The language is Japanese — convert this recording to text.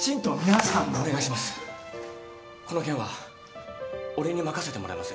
この件は俺に任せてもらえませんか。